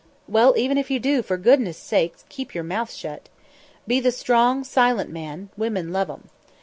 "Well, even if you do, for goodness' sake keep your mouth shut. Be the strong, silent man; women love 'em.